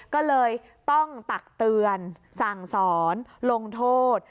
ก็เลยต้องตักเตือนสั่งสอนลงโทษ